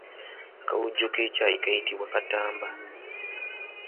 Akawujjo k’ekyayi kayitibwa Katamba.